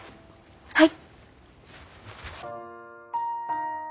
はい！